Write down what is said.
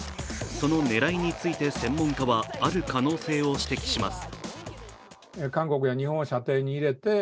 その狙いについて専門家はある可能性を指摘します。